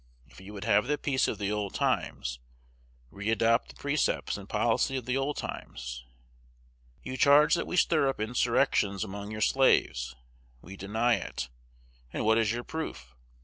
If you would have the peace of the old times, re adopt the precepts and policy of the old times. You charge that we stir up insurrections among your slaves. We deny it. And what is your proof?